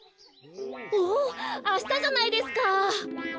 おおあしたじゃないですか！